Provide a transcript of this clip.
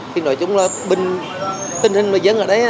thì nói chung là tình hình dân ở đây